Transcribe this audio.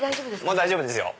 もう大丈夫ですよ。